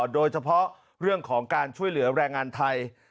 โดยเฉพาะเรื่องของการช่วยเหลือแรงงานไทย